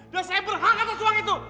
dan saya berhak atas uang itu